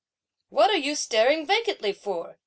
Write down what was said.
"What are you staring vacantly for?"